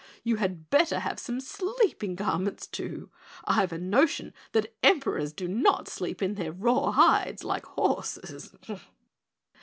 You had better have some sleeping garments, too. I've a notion that Emperors do not sleep in their raw hides like horses."